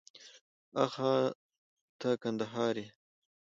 آښه ته کندهاری يې؟